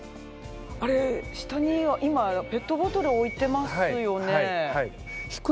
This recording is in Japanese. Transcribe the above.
あれ下に今ペットボトル置いてますよね。